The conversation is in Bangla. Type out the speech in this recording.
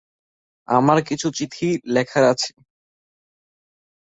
আমার কিছু চিঠি লেখার আছে।